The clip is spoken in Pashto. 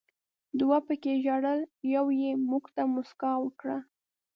دوو پکې ژړل، یوې یې موږ ته موسکا وکړه.